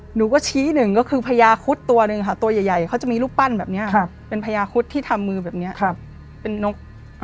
หนูก็ชี้หนึ่งก็คือพญาคุดตัวหนึ่งค่ะตัวใหญ่เขาจะมีรูปปั้นแบบนี้เป็นพญาคุดที่ทำมือแบบนี้เป็นนก